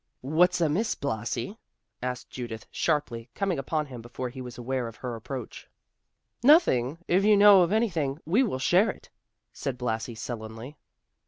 "What's amiss, Blasi?" asked Judith, sharply, coming upon him before he was aware of her approach. "Nothing; if you know of anything we will share it," said Blasi sullenly.